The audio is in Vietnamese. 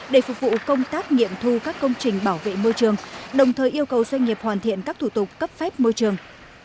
để phục vụ công tác nghiệm thu các công trình bảo vệ môi trường đồng thời yêu cầu doanh nghiệp hoàn thiện các thủ tục cấp phép môi trường